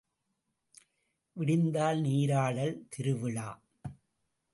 விடிந்தால் நீராடல் திருவிழா.